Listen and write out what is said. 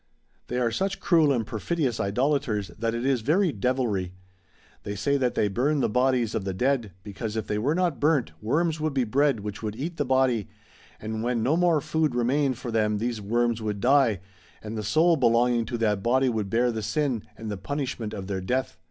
Thev are such cruel and perfidious Idolaters that it is very ilevilry ! They say that they burn the bodies of the dead, because if they were not burnt worms would be bred which would eat the body ; and when no more food remained for them these worms would die, and the soul belonging to that body would bear the sin and the punishment of their death.